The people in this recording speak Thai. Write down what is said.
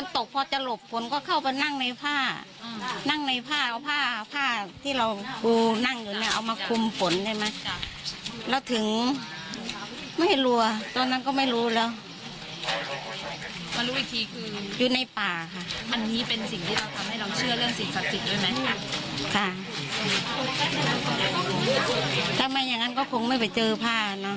ถ้าไม่อย่างนั้นก็คงไม่ไปเจอผ้าเนอะ